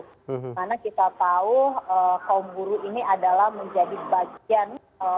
karena kita tahu kaum buruh ini adalah menjadi bagian